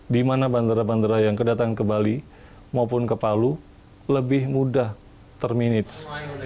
dimana bandara bandara yang kedatangan ke bali maupun ke palu lebih mudah terminates